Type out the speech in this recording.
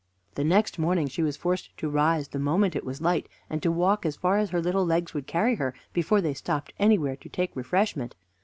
The next morning she was forced to rise the moment it was light, and to walk as far as her little legs would carry her before they stopped anywhere to take refreshment.